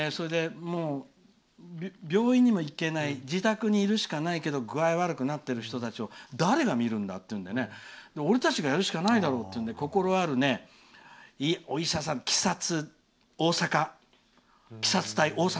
彼らがついに訪問介護で出かけていって病院にも行けない自宅にいるしかないけど具合が悪くなっている人たちを誰が見るんだっていうんで俺たちがやるしかないだろうって心あるお医者さん、鬼殺隊。